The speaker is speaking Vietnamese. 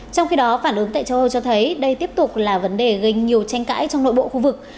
trong khi đó phản ứng tại châu âu cho thấy đây tiếp tục là vấn đề gây nhiều tranh cãi trong nội bộ khu vực